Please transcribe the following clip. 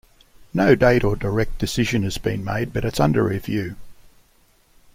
No date or direct decision has been made but it's under review.